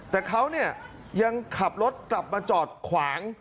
แต่เขาเนี่ยยังขับรถกลับมาจอดขวาง